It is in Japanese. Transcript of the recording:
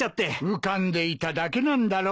浮かんでいただけなんだろ？